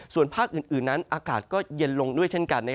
ส่วนภาคอื่นนั้นอากาศก็เย็นลงด้วยเช่นกัน